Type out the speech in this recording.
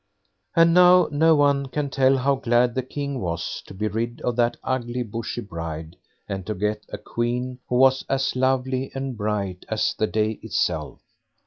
And now no one can tell how glad the King was to be rid of that ugly Bushy Bride, and to get a Queen who was as lovely and bright as the day itself.